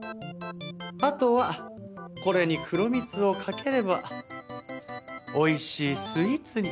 あとはこれに黒蜜をかければおいしいスイーツに。